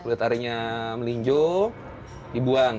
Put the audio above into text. kulit arinya melinjo dibuang